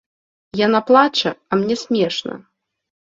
Яна плача, а мне смешна.